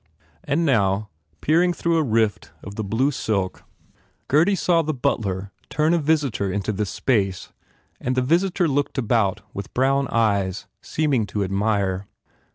And now, peering through a rift of the blue silk Gurdy saw the butler turn a .visitor into this space and the visitor looked about with brown eyes, seeming to admire.